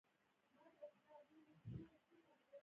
د هند او افغانستان دوستي پخوانۍ ده.